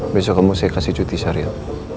besok kamu saya kasih cuti syariat